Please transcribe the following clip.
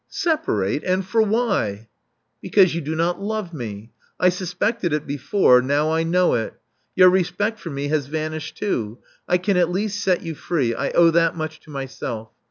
Separate! And for why? Because you do not love me. I suspected it before: now I know it. Your respect for me has vanished too. I can at least set you free: I owe that much to myself.